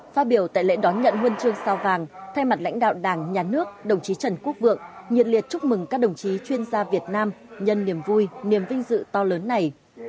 phát biểu tại lễ đón nhận huân chương sao vàng thay mặt lãnh đạo đảng nhà nước đồng chí trần quốc vượng nhiệt liệt chúc mừng các đồng chí chuyên gia việt nam nhân niềm vui niềm vinh dự to lớn này